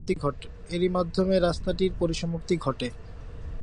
এরই মাধ্যমে রাস্তাটির পরিসমাপ্তি ঘটে।